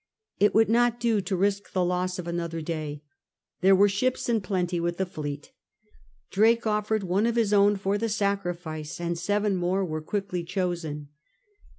It would not do to risk the loss of another day ; there were ships in plenty with the fleet. Drake offered one of his own for the sacrifice,^ and seven more were quickly chosen.